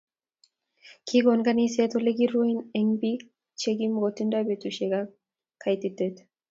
Kikon kaniset olekirui eng biik chi kimokotindoi betusiek ab kaititiet